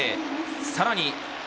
さらに。